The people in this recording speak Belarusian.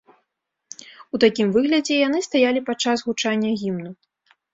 У такім выглядзе яны стаялі падчас гучання гімну.